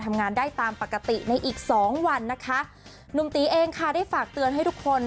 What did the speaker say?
ทำงานได้ตามปกติในอีกสองวันนะคะหนุ่มตีเองค่ะได้ฝากเตือนให้ทุกคน